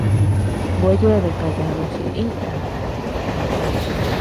Gua yeabea kayadu silï yabi.